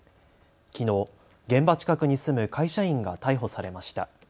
きのう現場近くに住む会社員が逮捕されました。